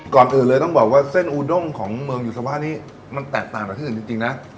ก่อนอื่นเลยต้องบอกว่าเส้นอูด้งของเมืองยูซาว่านี้มันแตกต่างจากที่อื่นจริงนะ